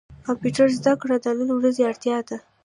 کمپيوټر زده کړه د نن ورځي اړتيا ده.